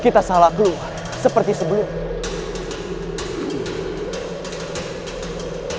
kita salah keluar seperti sebelumnya